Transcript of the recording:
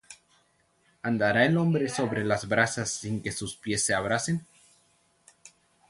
¿Andará el hombre sobre las brasas, Sin que sus pies se abrasen?